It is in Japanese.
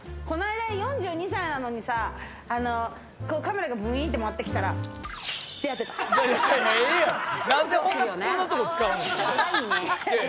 この間４２歳なのにさ、カメラが、ぐいんって回ってきたら、こうやってた。